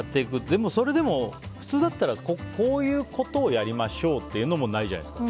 でもそれでも、普通だったらこういうことをやりましょうというのもないじゃないですか。